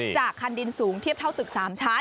คันดินสูงเทียบเท่าตึก๓ชั้น